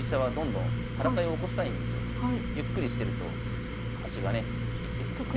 ゆっくりしてると端がね生きてくるので。